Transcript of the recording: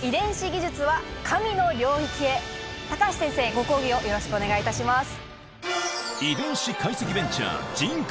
高橋先生ご講義をよろしくお願いいたします。